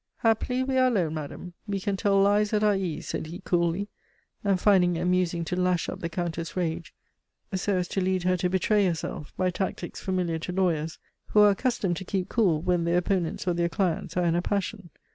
"Happily we are alone, madame. We can tell lies at our ease," said he coolly, and finding it amusing to lash up the Countess' rage so as to lead her to betray herself, by tactics familiar to lawyers, who are accustomed to keep cool when their opponents or their clients are in a passion.